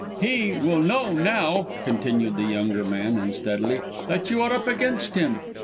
"He will know now," continued the younger man unsteadily, "that you are up against him.